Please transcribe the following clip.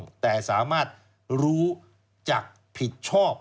มีจริงพูดที่จะสามารถรู้จากผิดชอบ